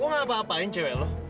kok gak apa apain cewek lo